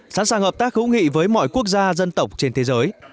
sẵn sàng hợp tác hữu nghị với mọi quốc gia dân tộc trên thế giới